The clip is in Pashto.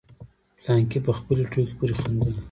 فلانکي په خپلې ټوکې پورې خندل.